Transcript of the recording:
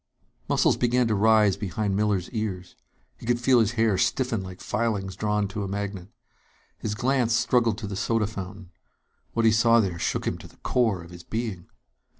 Muscles began to rise behind Miller's ears. He could feel his hair stiffen like filings drawn to a magnet. His glance struggled to the soda fountain. What he saw there shook him to the core of his being.